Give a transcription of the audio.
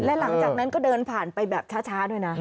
และหลังจากนั้นก็เดินผ่านไปแบบช้าด้วยนะ